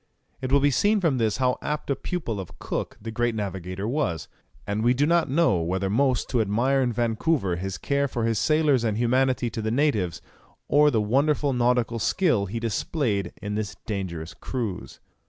It will be seen from this how apt a pupil of Cook the great navigator was; and we do not know whether most to admire in Vancouver his care for his sailors and humanity to the natives, or the wonderful nautical skill he displayed in this dangerous cruise.